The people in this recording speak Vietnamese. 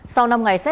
sau năm ngày xét xét